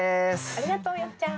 ありがとうよっちゃん。